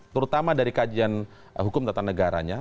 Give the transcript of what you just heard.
terutama dari kajian hukum tata negaranya